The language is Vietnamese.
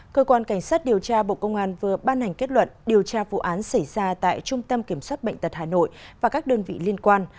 cơ quan cảnh sát điều tra bộ công an vừa ban hành kết luận điều tra vụ án xảy ra tại trung tâm kiểm soát bệnh tật hà nội và các đơn vị liên quan